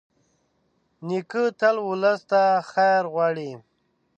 نیکه تل ولس ته خیر غواړي.